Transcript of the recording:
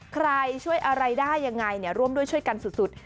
ใครช่วยอะไรได้ยังไงร่วมด้วยช่วยกันสุด